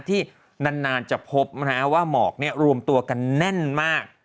ที่นานจะพบว่าหมอกรวมตัวกันแน่นมาก